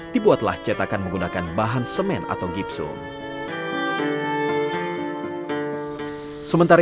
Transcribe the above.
dibuatlah cetakan menggunakan bahan semen atau gipsum